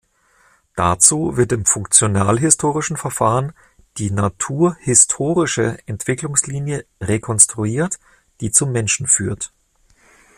Dazu wird im "funktional-historischen" Verfahren die natur"historische" Entwicklungslinie rekonstruiert, die zum Menschen führt.